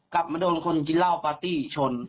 กลับมาโดนคนกินเหล้าปาร์ตี้ชน